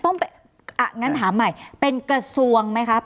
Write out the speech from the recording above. อ่ะงั้นถามใหม่เป็นกระทรวงไหมครับ